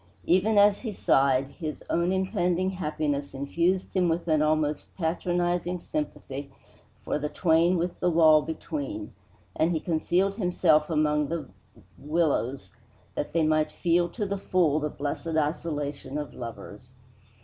Even as he sighed, his own impending happiness infused him with an almost patronizing sympathy for the twain with the wall between, and he concealed himself among the willows that they might feel to the full the blessed isolation of lovers.